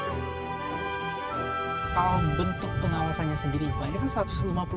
kalau bentuk pengawasannya sendiri pak ini kan satu ratus lima puluh